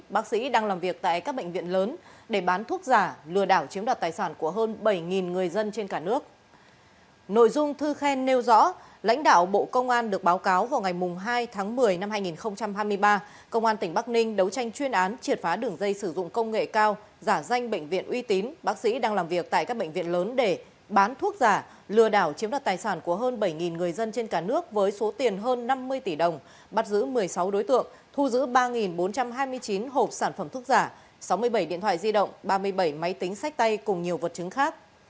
bộ công an được báo cáo vào ngày hai tháng một mươi năm hai nghìn hai mươi ba công an tỉnh bắc ninh đấu tranh chuyên án triệt phá đường dây sử dụng công nghệ cao giả danh bệnh viện uy tín bác sĩ đang làm việc tại các bệnh viện lớn để bán thuốc giả lừa đảo chiếm đặt tài sản của hơn bảy người dân trên cả nước với số tiền hơn năm mươi tỷ đồng bắt giữ một mươi sáu đối tượng thu giữ ba bốn trăm hai mươi chín hộp sản phẩm thuốc giả sáu mươi bảy điện thoại di động ba mươi bảy máy tính sách tay cùng nhiều vật chứng khác